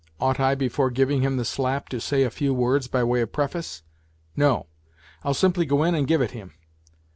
Ought I before giving him the slap to say a few words by way of preface ? No. I'll simply go in and give it him